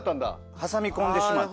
挟み込んでしまって。